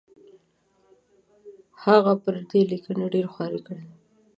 هغه پر دې لیکنه ډېره خواري کړې ده.